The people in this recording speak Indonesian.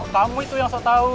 kamu itu yang so tau